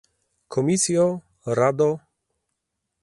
Komisjo, Rado